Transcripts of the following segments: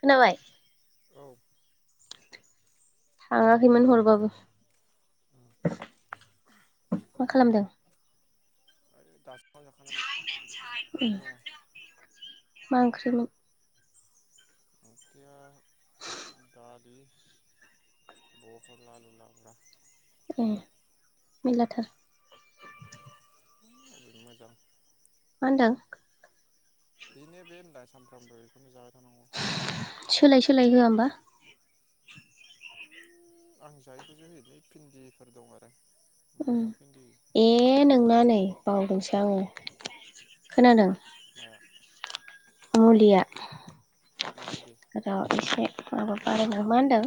खोनाबाय औ थाङाखैमोन हरबाबो मा खालामदों? दास ओंखाम जाखांनानै उम ओरैनो दङो। मा ओंख्रिमोन? ओंख्रिआ दालि बहल आलु लाब्रा। ए मेलाथार अबेनि मोजां मा होनदों? बेनो बे होनलाय सानफ्रामबो बेखौनो जाहो [unintelligible] सोलाय सोलाय होआ होमबा? आं जायैखौसो होयोलै भिन्दिफोर दं आरो उम मोनायाव भिन्दि ए नोंना नै बावदोंसो, दां, खोनादों, माया मुलिया मामुलि र' एसे [unintelligible] मा होनदों?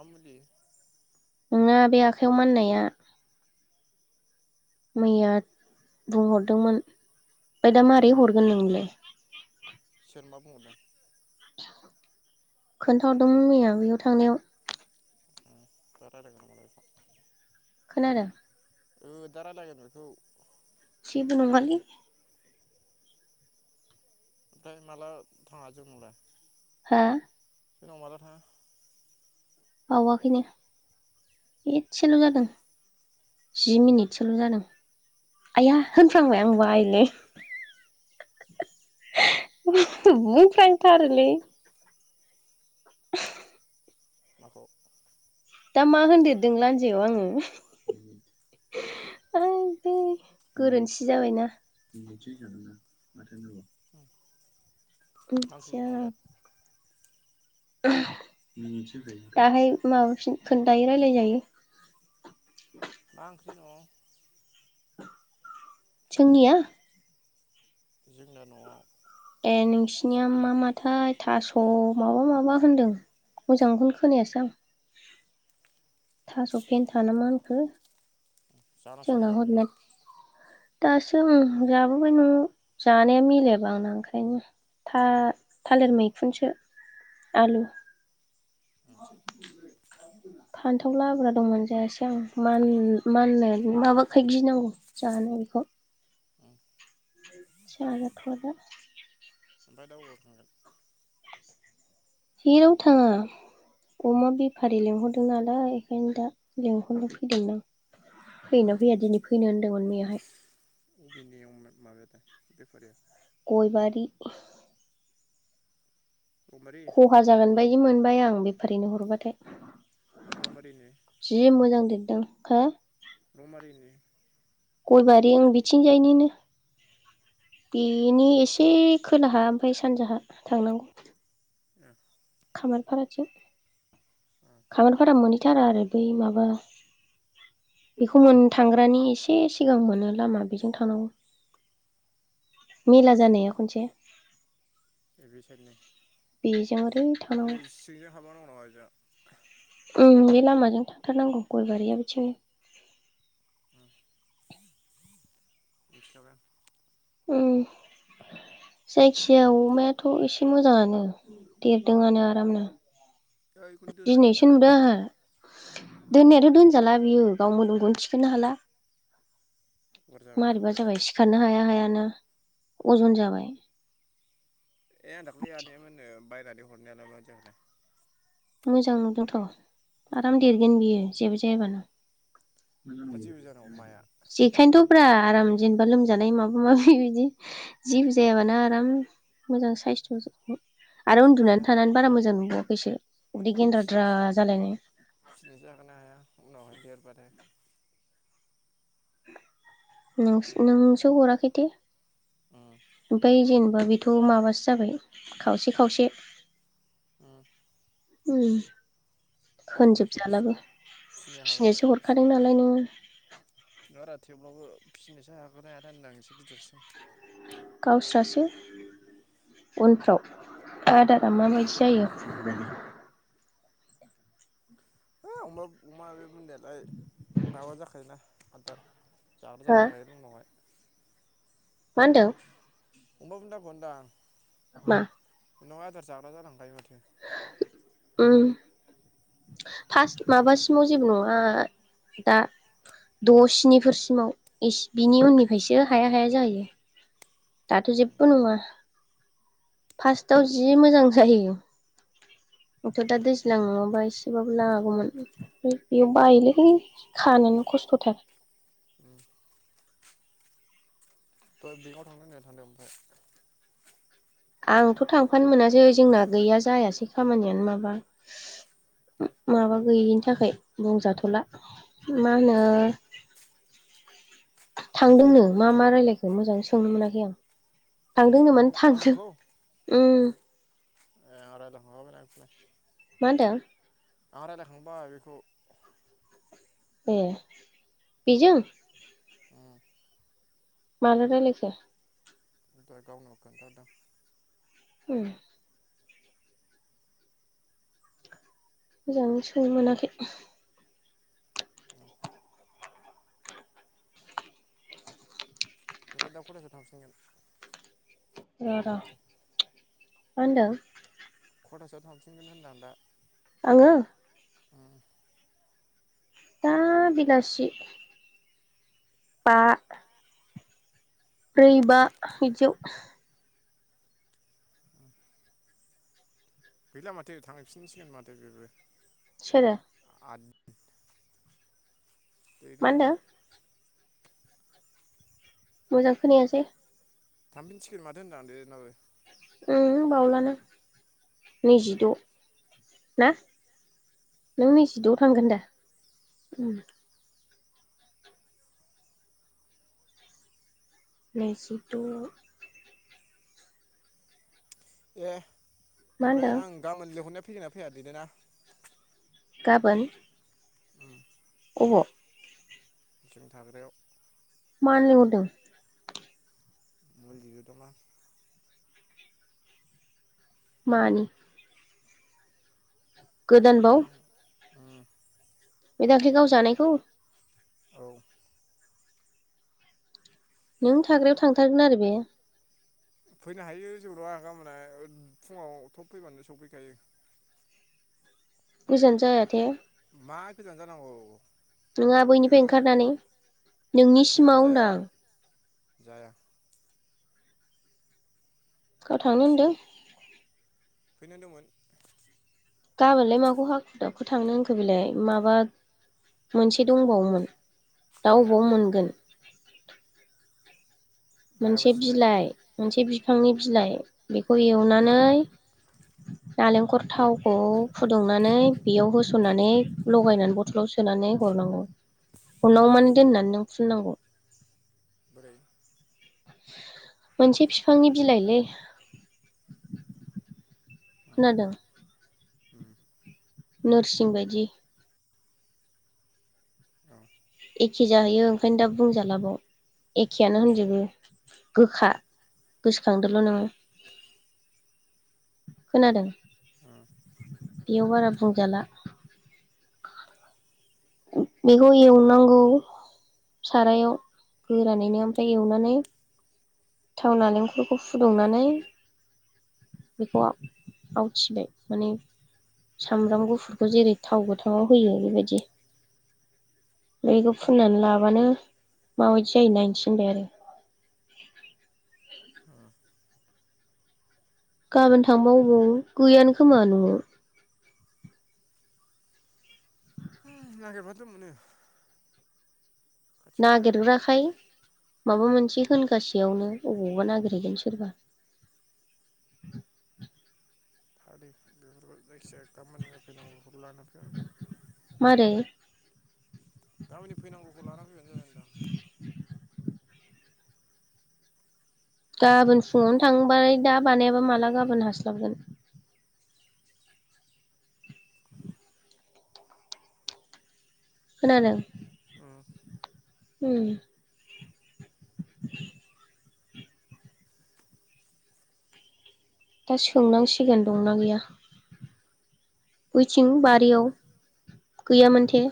मा मुलि? नोंना बे आखाइयाव माननाया, मैया बुंहरदोंमोन ओमफाय दा मारै हरगोन नोंनोलाय? सोर मा बुंहरदों? खोन्थाहरदोंमोन मैया बैयाव थांनायाव। [unintelligible] खोनादों? ओ दा रालायगोन बेखौ, जेबो नङालि‌, ओमफाय माला थाङा जोंनावलाय? हा? जोंनाव माला थाङा? बावाखै नै एसेल' जादों जि मिनिटसोल' जादों आइया होनफ्लांबाय आं बायोलै। बुंफ्लां थारोलै [unintelligible] माखौ? दा मा होनदेरदों लान्जायाव आङो आयदै गोरोन्थि जाबायना मा ओंख्रि मिनथिया न'आवलाय दाहाय माबाफिन खोन्थायो रायलाय जायो आं [unintelligible] जोंनिया जोंना न'आव ए नोंसिनिया मा माथाय थास' माबा माबा होनदों मोजांखौनो खोनायासै आं थास' फेनथा ना मा होनखो जानो जोंना [unintelligible] हरना दासो आं जाबोबाय न'आव जानाया मिलायाबा आंना ओंखायनो था-थालिर मैखुनसो आलु फान्थाव लाब्रा दंमोन जायासै आं मानि माननायानो माबाखाय गिनांगौ जानो इख नों [unintelligible] ओमफाय दा अबाव थांगोन जेराव थाङा अमा बेफारि लेंहरदों नालाय इखायनो दा लेंंहरनो फैदों दां फैयो ना फैया दिनै फैनो होनदोंमोन मैयाहाय अबे अमायालाय माबायालाय बेफारिया गयबारि रमारि खहा जागोन बायदि मोनबाय आं बेफारिनो हरबाथाय रमारिनि जि मोजां दिन औ खो रमारिनि गयबारि ओं बिथिंजायनिनो बेनि एसे खोलाहा ओमफाय सानजाहा थांनांगौ। ओ खामारफाराथिं खामारफोरा मोनि मोनैथारा आरो बै माबा बेखौ मोन थांग्रानि एसे सिगां मोनो लामा बेजों थांनांगौ। मेला जानाया खनसे ए बे सायेतनि बेजों ओरै सिंजों हाबा दं नामा ओजा थानांगौ उम लामाजों थांथारनांगौ गय बारियाबो बिथिंनो उम मिथिखाबाय आं उम जायखिजाया अमायाथ' एसे मोजाङानो देरदोंआनो आरामनो दोनबाय थायो दिनैसो नामा रा नुदों आंहा दोननायाथ' दोनजाला बियो गाव मोदोमखौनो थिखोनो हाला। अभार जाबायना मारैबा हबाय दा जाबाय सिखारनो हाया हायानो अजन जाबाय ए आं दाख्लै [unintelligible] [unintelligible] हरनायालाय मादि जाखो थाय। मोजां नुदोंथ' आराम देरगोन बियो जेबो जायाबानो। मा जेबो जानांगौ माया जेखानथ' फुरा आराम जेनेबा लोमजानाय माबा माबि बिदि जेबो जायामोन आराम मोजां साइस्थ' आरो उन्दुनानै थानानै बारा मोजां नंबाववा बैसो फिनोसो फिनोसो हागोना हाया उनावहाय देरबाथाय। नोंस नोंसो हराखै दे। बैजेन होमा बेथ' माबासो जाबाय खावसे खावसे अ उम जायखिया खोनजोबजालाबो फिनो फिसिनोसो हागोन फिनो हरखादों नालाय नोङो आरो थेवब्लाबो फिसिनोसो हागोना हाया दा होनदां एसे गिदिरसिम गावस्राासो उनफ्राव आदारा माबायदि जायो। ह अमा अमा बे बुन्दियालाय माबा जाखायोना आदार जाग्रा जालांखायो उनावहाय मा होनदों? अमा बुंदाखौ होनदां मा उनाव आदार जाग्रा जालांखायो माथो उम फार्स्ट माबासिमाव जेबो नङा दा द' स्निफोरसिमाव बिनि उननिफायसो हाया हाया जाहैयो दाथ' जेबो नङा। फार्स्टआव जि मोजां जायो। आंथ' दा दैज्लां नङाबा एसेबाबो लागौमोन बेयाव बायोलै खानोनो खस्थ'थार उम दहाय बेंकआव थांनो होनाया थांदो ओमफाय आंथ' थांफानो मोनासै जोंना गैया जायासै खामानियानो माबा माबा गैयिनि थाखाय बुंजाथ'ला मा होनो थांदोंनो मा मा रायलायखो मोजाङै सोंनो मोनाखै आं। थांदोंनो मान आंनि थांदों आंनिखौ ओ [unintelligible] मा होनदों? आं रायलायखांबाय बेखौ ए बिजों उम माला रायलायखो दहाय गावनो खोन्थाहदों औ मोजां सोंनो मोनाखै [inaudible] ओयफ्राय दा कलेजाव थांसैनो र र मा होनदों? खथासोआव थांफिनगोन होनदां दा आंङो उम दा बिलासि बा ब्रै बा बिदियाव गैला माथो थांफिनसिगोन माथो बेबो। सोरो आद दै मा नमबार होनदों न मोजां खोनायासै थांफिनसिगोन माथो होनदां देनाबो। ओम बावलाना नैजिद' ना नों नैजिद' आव थांगोन दा ओम नैजिद' ए मा ओमफ्राय होनदों आं गाबोन लिंहरनाया फैगोनना फैया दैदेना? गाबोन अब' बिथिं थाग्रायाव मानो लेंहरदों [unintelligible] मानि गोदान बाव उम बे दाख्लै गाव जानायखौ औ नों थाग्रायाव थांथारगोन आरो बे फैनो हायो जेबो नंङा गाबोनो फुंङाव थब फैबानो सफैखायो गोजान जायाथे मा गोजान जानांगौ [inaudible] नों बियो आबैनिफ्राय ओंखारनानै नोंनि गोजान सिमाव जाया होनदां जाया गाव थांनो खाथिसो होनदों फैनो होनदोंमोन गाबोनलाय माखौ हाखु दाखु थांनो होनखो बेलाय माबा मोनसे दंबावोमोन दा माइआ अबाव मोनगोन मोनसे मायाबासो दंबावो बिलाइ मोनसे बि फांनि बिलाइ बेखौ एवनानै नालेंखर थावखौ फुदुंनानै बेयाव होस'ननानै लगायनानै बथलाव सोनानै हरनांगौ उनाव मान दोननानै नों फुननांगौ। बोरै मोनसे बिफांनि बिलाइलै उम खोनादों? उम नोरसिं बायदि औ एखे जाहैयो ओंखायनो दा बुंजालाबाव एखेआनो होनजोबो गोखा गोसोखांदोल' नोङो खोनादों उम बेयाव बारा बुंजाला। बेखौ एवनांगौ सारायाव गोरानैनो ओमफ्राय एवनानै थाव नालेंखरखौ फुदुंनानै बेखौ आवथिबाय माने सामब्राम गुफुरखौ जेरै थाव गोथांआव होयो बेबायदि बेखौ फुननानै लाबानो माबायदि जायो नायनोथिनबाय आरो उम गाबोन थांबा अबाव गैयानो खोमा न'आव नागिरबाथ' मोनो‌ नागिरग्राखाय माबा मोन से होनगासेयावनो अबावबा नागिरहैगोन सोरबा। बात हो बेफोरखौ जायखिजाया गामोननो नायफैनांगौ लाना फैबानो जाबाय मारै गाबोननि फैनांगौखौ लानानानै फैबानो जाबाय होनदां गाबोन फुङावनो थाङोबालाय दा बानायाबा माला गाबोन हास्लाबगोन खोनादों? उम उम दा सोंनांसिगोन दंना गैया। ओइथिं बारियाव गैयामोनथे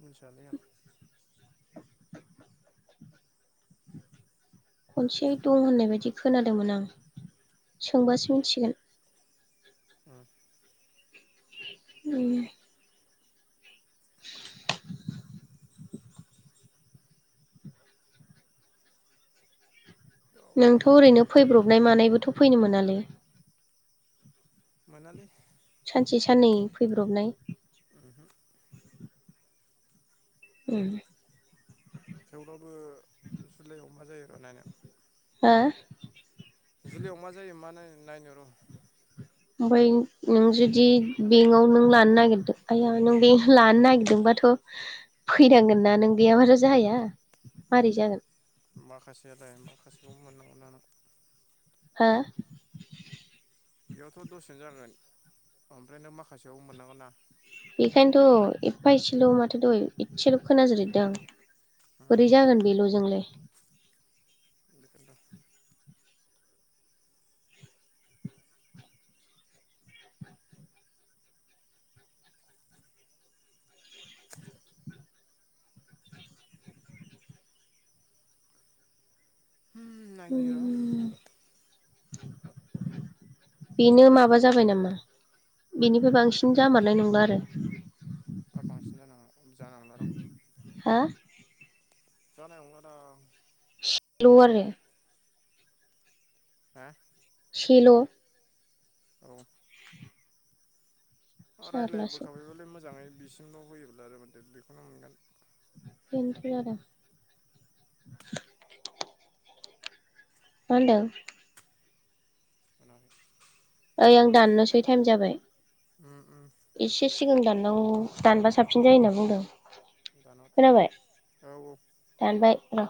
मिनथियालै आं खनसे दं होननाय बायदि खोनादोंमोन आं सोंबासो मिनथिसिगोन उम उम उम नोंथ' फैयोना ओरैनो फैया फैब्रबनाय मानायबोथ' फैनो मोनालै? मोनालै सानसे साननै फैब्रबनाय ओमहो ओम थेवब्लाबो जुलाइयाव मा जायो र नायनां। हो? जुलायाव मा जायो मा नायनो र' ओमफफ्राय नों जुदि बेंकआव नों लानो नागिरदों आइया नों बेंक लानो नागिरदोंबाथ' फैनांगोन ना नों गैयाबाथ' जाया। मारै जागोन? माखासेयालाय माखासेखौ मोननांगोन ना आङो हो? बेयावथ' दसेनो जागोन ओमफ्राय नों माखासेयाव मोननांगो ना। बेखायनोथ' एफा एसेल' माथो दहाय इसेल' खोनाजोरैदों आं। बोरै उम जागोन बेल'ज जोंलाय। [inaudible] होम नायनि र' उम बेनो माबा जाबाय नामा बेनिफ्राय बांसिन जामारनाय नंला आरो। दा बांसिन जानाङा जानायनंला दां हा जानाय नंलादां एसे ल' आरो हा एसेल औ अ रायलाय‌ जारलासो बोखाबायबालाय मोजाङै बिसिमल होयोब्ला आरो माथे बेखौनो मोनगोन। दुखु जादों मा होनदों अ। ओइ आं दाननो सै टाइम जाबाय। उम उम एसे सिगां दाननां दानबा साबसिन जायो होनना बुंदों। दानहर खोनाबाय औ औ दानबाय र‌